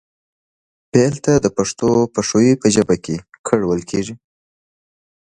فعل ته د پښتو پښويې په ژبه کې کړ ويل کيږي